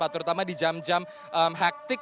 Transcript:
terutama di jam jam hektik